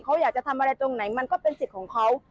เขาอยากจะทำอะไรตรงไหนมันก็เป็นสิทธิ์ของเขา